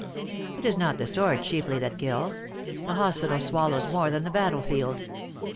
It is not the sword chiefly that kills ; the hos pital swallows more than the battle field.